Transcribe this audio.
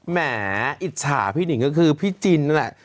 หมออิจฉาพี่หนิงก็คือพี่จินนั่นแหละ